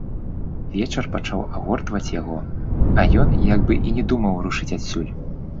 Вечар пачаў агортваць яго, а ён як бы і не думаў рушыць адсюль.